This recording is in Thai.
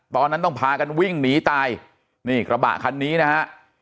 ตอนนั้นต้องพากันวิ่งหนีตายนี่กระบะคันนี้นะฮะ